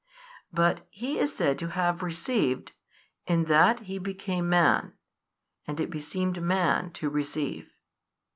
But He is said to have received, in that He became Man, and it beseemed man to receive.